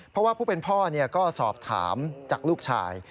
เพราะว่าผู้เป็นพ่อก็สอบถามจากลูกชาย